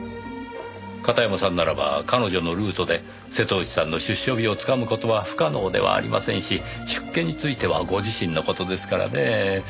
片山さんならば彼女のルートで瀬戸内さんの出所日をつかむ事は不可能ではありませんし出家についてはご自身の事ですからねぇ。